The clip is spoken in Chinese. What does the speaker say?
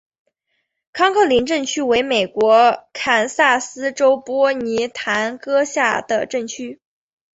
康克林镇区为美国堪萨斯州波尼县辖下的镇区。